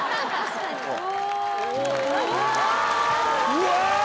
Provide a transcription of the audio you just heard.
うわ！